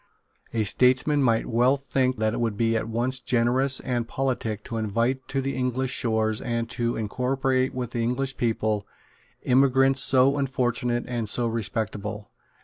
A statesman might well think that it would be at once generous and politic to invite to the English shores and to incorporate with the English people emigrants so unfortunate and so respectable.